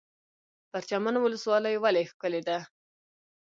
پرچمن ولسوالۍ ولې ښکلې ده؟